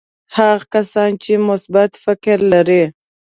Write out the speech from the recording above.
هغه کسان چې مثبت فکر لري.